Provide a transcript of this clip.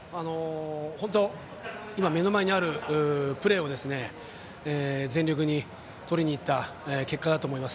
本当、今目の前にあるプレーを全力にとりにいった結果だと思います。